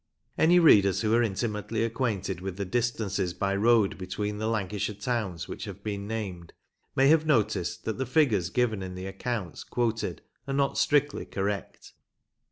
Any readers who are intimately acquainted with the distances by road between the Lancashire towns which have been named, may have noticed that the figures given in the accounts quoted are not strictly correct.